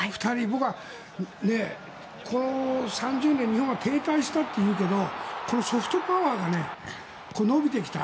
僕はこの３０年日本は停滞したっていうけどこのソフトパワーが伸びてきた。